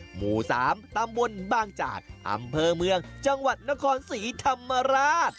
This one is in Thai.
หมู่๓ตำบลบางจากอำเภอเมืองจังหวัดนครศรีธรรมราช